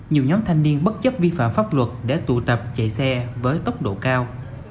nhiều nhóm thanh niên bất chấp vi phạm pháp luật để tụ tập chạy xe với tốc độ cao